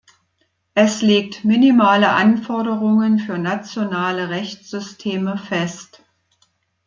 Es legt minimale Anforderungen für nationale Rechtssysteme fest.